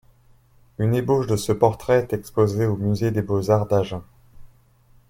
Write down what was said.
Une ébauche de ce portrait est exposée au musée des beaux-arts d’Agen.